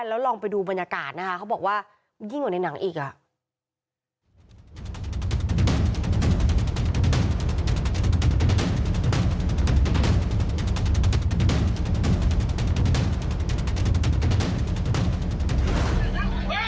แล้วลองไปดูบรรยากาศนะคะเขาบอกว่ายิ่งกว่าในหนังอีกอ่ะ